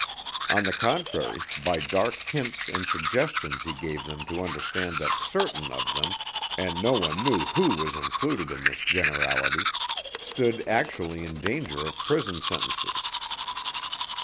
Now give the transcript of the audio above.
On the contrary, by dark hints and suggestions he gave them to understand that certain of them and no one knew who was included in this generality stood actually in danger of prison sentences.